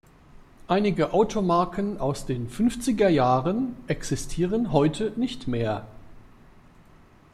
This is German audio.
Einige Automarken aus den Fünfzigerjahren existieren heute nicht mehr.